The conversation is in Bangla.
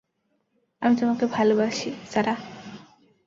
আমি তোমাকে ভালবাসি, সারাহ!